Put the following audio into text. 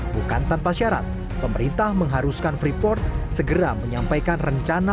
bukan tanpa syarat pemerintah mengharuskan freeport segera menyampaikan rencana